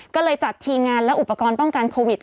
ก็เลยจัดทีมงานและอุปกรณ์ป้องกันโควิด